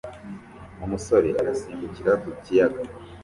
umusore asimbukira ku kiyaga